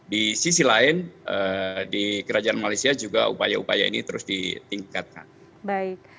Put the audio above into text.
di sisi lain di kerajaan malaysia juga upaya upaya ini terus ditingkatkan